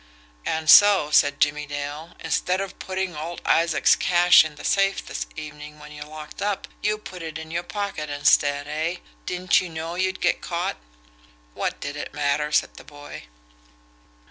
"And so," said Jimmie Dale, "instead of putting old Isaac's cash in the safe this evening when you locked up, you put it in your pocket instead eh? Didn't you know you'd get caught?" "What did it matter?" said the boy.